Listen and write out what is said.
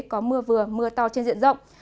có mưa vừa mưa to trên diện rộng